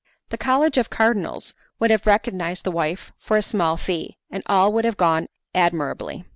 The College of Cardinals would have recognized the wife for a small fee, and all would have gone admirably.